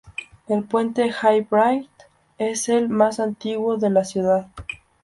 El puente High Bridge es el más antiguo de la ciudad.